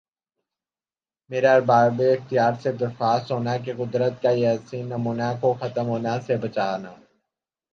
میرا ارباب اختیار سے درخواست ہونا کہ قدرت کا یِہ حسین نمونہ کو ختم ہونا سے بچنا